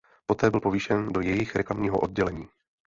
Poté byl povýšen do jejich reklamního oddělení.